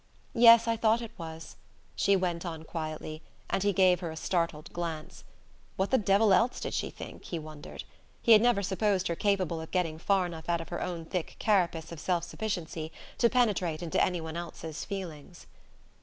"Yes; I thought it was," she went on quietly, and he gave her a startled glance. What the devil else did she think, he wondered? He had never supposed her capable of getting far enough out of her own thick carapace of self sufficiency to penetrate into any one else's feelings.